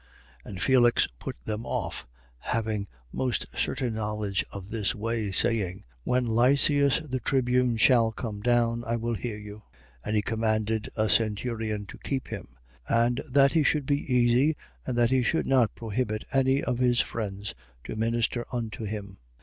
24:22. And Felix put them off, having most certain knowledge of this way, saying: When Lysias the tribune shall come down, I will hear you. 24:23. And he commanded a centurion to keep him: and that he should be easy and that he should not prohibit any of his friends to minister unto him.